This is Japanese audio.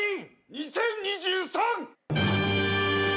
２０２３！